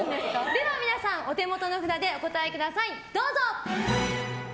では皆さんお手元の札でお答えください。